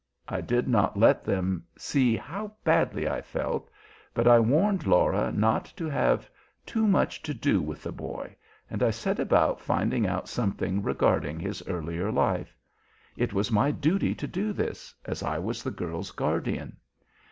I did not let them see how badly I felt, but I warned Lora not to have too much to do with the boy, and I set about finding out something regarding his earlier life. It was my duty to do this, as I was the girl's guardian.